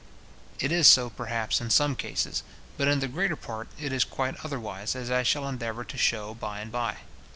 It is so perhaps in some cases; but in the greater part it is quite otherwise, as I shall endeavour to shew by and by.